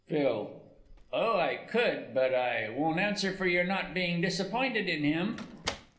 PHIL. Oh, I could but I won't answer for your not being disappointed in him.